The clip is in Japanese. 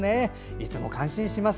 いつも感心します。